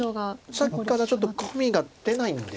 さっきからちょっとコミが出ないんですよね。